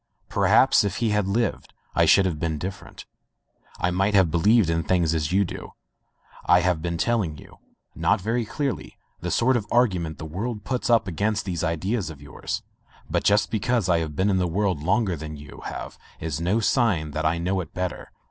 Perhaps if he had lived I should have been different. I might have believed in things as you do. I have been telling you — not very cleverly — the sort of argument the world puts up against these ideas of yours. But just be cause I have been in the world longer than you have is no sign that I know it better.